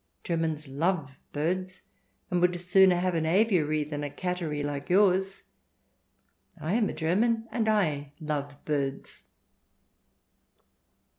Germans love birds, and would sooner have an aviary than a cattery like yours. I am a German, and / love birds."